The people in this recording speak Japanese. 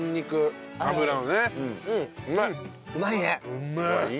うまい！